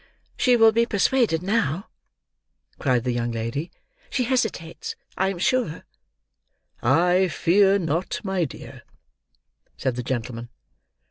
"She will be persuaded now," cried the young lady. "She hesitates, I am sure." "I fear not, my dear," said the gentleman.